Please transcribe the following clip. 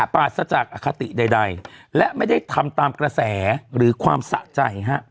ปราศจากอคติใดและไม่ได้ทำตามกระแสหรือความสะใจ